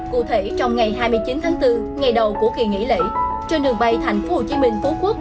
cụ thể trong ngày hai mươi chín tháng bốn ngày đầu của kỳ nghỉ lễ trên đường bay thành phố hồ chí minh phú quốc